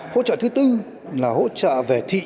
hỗ trợ thứ tư là hỗ trợ về thiết kế